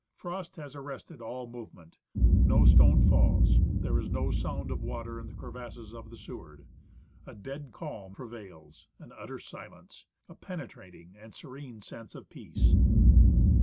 Frost has arrested all movement ; no stone falls, there is no sound of water in the crevasses of the Seward. A dead calm prevails, an utter silence, a penetrating and serene sense of peace.